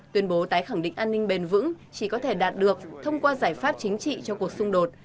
tuyên bố tái khẳng định an ninh bền vững chỉ có thể đạt được thông qua giải pháp chính trị cho cuộc xung đột